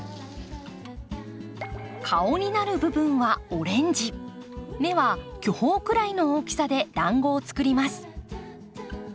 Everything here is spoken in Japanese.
顔になる部分はオレンジ目は巨峰くらいの大きさでだんごを作ります。